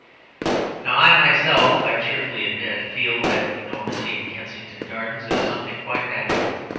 Now I myself, I cheerfully admit, feel that enormity in Kensington Gardens as something quite natural.